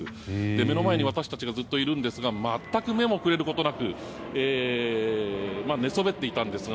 目の前に私たちがいるんですが全く目もくれることなく寝そべっていたんですが。